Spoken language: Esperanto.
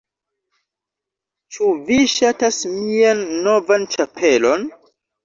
Ĉu vi ŝatas mian novan ĉapelon?